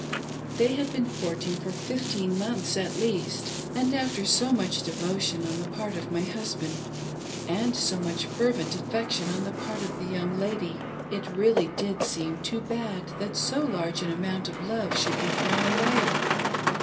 They had been courting for fifteen months at least, and after so much devotion on the part of my husband, and so much ferveht affection' on the part of the young lady, it really did seem too bad that so large an amount of love should be thrown away.